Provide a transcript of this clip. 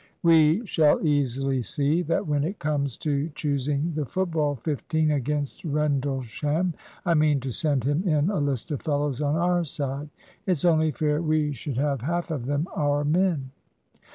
"We shall easily see that when it comes to choosing the football fifteen against Rendlesham. I mean to send him in a list of fellows on our side. It's only fair we should have half of them our men."